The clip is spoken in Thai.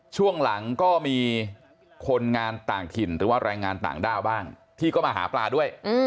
ช่วงหลังก็มีคนงานต่างถิ่นหรือว่าแรงงานต่างด้าวบ้างที่ก็มาหาปลาด้วย